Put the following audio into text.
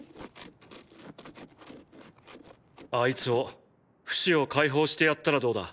あいつをフシを解放してやったらどうだ？